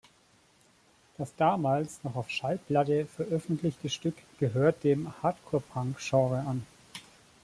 Das damals noch auf Schallplatte veröffentlichte Stück gehört dem Hardcore Punk-Genre an.